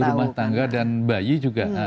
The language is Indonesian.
iya ibu rumah tangga dan bayi juga